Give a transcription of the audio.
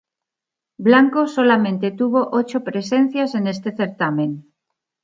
Blanco solamente tuvo ocho presencias en este certamen.